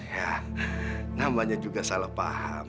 ya namanya juga salah paham